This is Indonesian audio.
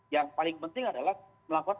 yang paling penting adalah melakukan